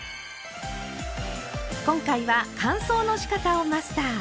今回は乾燥のしかたをマスター。